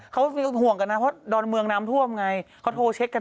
เขาก็ห่วงกันนะเพราะดอนเมืองน้ำท่วมไงเขาโทรเช็คกัน